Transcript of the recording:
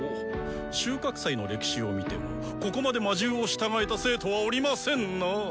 収穫祭の歴史を見てもここまで魔獣を従えた生徒はおりませんなあ！